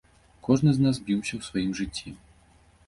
Кожны з нас біўся ў сваім жыцці.